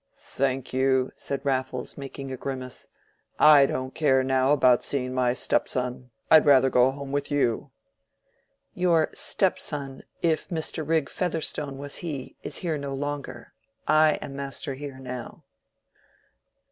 "Thank you," said Raffles, making a grimace. "I don't care now about seeing my stepson. I'd rather go home with you." "Your stepson, if Mr. Rigg Featherstone was he, is here no longer. I am master here now."